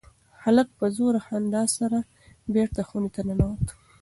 هلک په زوره خندا سره بېرته خونې ته ننوت.